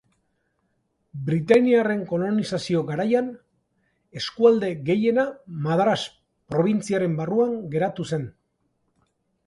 Britainiarren kolonizazio garaian, eskualde gehiena Madras Probintziaren barruan geratu zen.